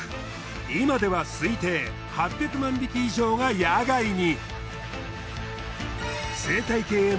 今では推定８００万匹以上が野外に。